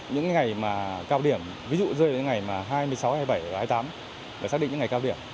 những ngày cao điểm ví dụ như những ngày hai mươi sáu hai mươi bảy hai mươi tám để xác định những ngày cao điểm